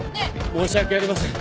申し訳ありません。